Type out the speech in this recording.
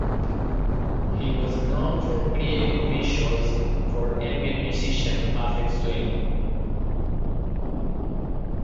He was known for creating visuals for ambient musician Aphex Twin.